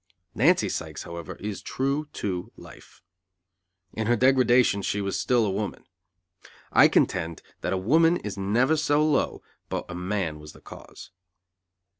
Nancy Sykes, however, is true to life. In her degradation she was still a woman. I contend that a woman is never so low but a man was the cause.